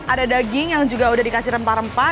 ada daging yang juga udah dikasih rempah rempah